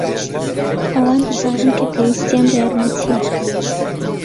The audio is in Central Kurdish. ئەوان دەزانن کە پێویستیان بە یارمەتییە.